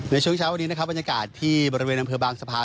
ในช่วงเช้าวันนี้นะครับบรรยากาศที่บริเวณอำเภอบางสะพาน